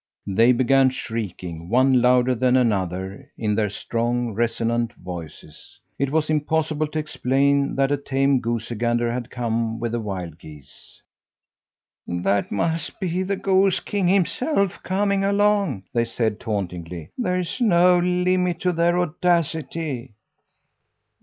They began shrieking one louder than another in their strong, resonant voices. It was impossible to explain that a tame goosey gander had come with the wild geese. "That must be the goose king himself coming along," they said tauntingly. "There's no limit to their audacity!"